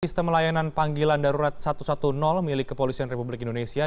sistem layanan panggilan darurat satu ratus sepuluh milik kepolisian republik indonesia